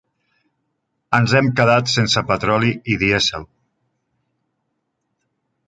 Ens hem quedat sense petroli i dièsel.